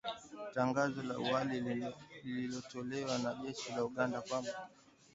tangazo la awali lililotolewa na jeshi la Uganda kwamba